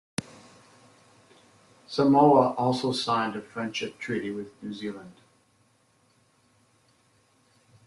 Samoa also signed a friendship treaty with New Zealand.